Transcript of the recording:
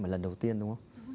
ở lần đầu tiên đúng không